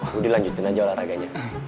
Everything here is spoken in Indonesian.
budi lanjutin aja olahraganya